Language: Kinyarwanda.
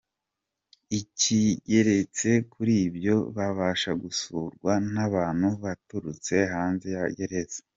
Ikigeretse kuri ibyo, babasha gusurwa n’abantu baturutse hanze ya gereza.